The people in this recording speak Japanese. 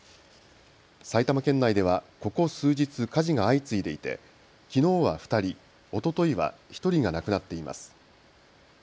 埼玉県内ではここ数日、火事が相次いでいてきのうは２人、おとといは１人が亡くなっています。